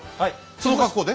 その格好で？